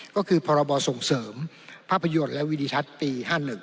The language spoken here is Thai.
ก็คือพรบส่งเสริมภาพยนตร์และวิดิทัศน์ปี๕๑